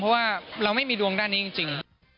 เพราะว่าเราไม่มีดวงด้านนี้จริง